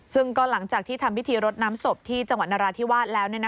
ซึ่งก็หลังจากที่ทำพิธีรดน้ำศพที่จังหวัดนราธิวาสแล้ว